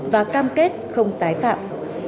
và cam kết không tái phạm